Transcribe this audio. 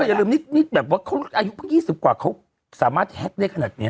แต่อย่าลืมนิดแบบว่าเขาอายุเพิ่ง๒๐กว่าเขาสามารถแฮ็กได้ขนาดนี้